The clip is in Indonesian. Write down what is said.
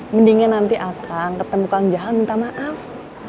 mendingan nanti akang ketemu kang jahal minta maaf